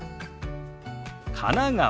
「神奈川」。